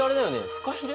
フカヒレ？